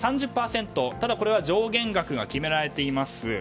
ただ、これは上限額が決められています。